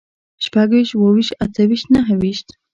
شپږ ويشت، اووه ويشت، اته ويشت، نهه ويشت